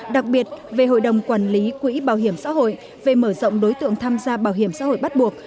đặc biệt về hội đồng quản lý quỹ bảo hiểm xã hội về mở rộng đối tượng tham gia bảo hiểm xã hội bắt buộc